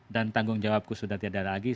dan tanggung jawabku sudah tidak ada lagi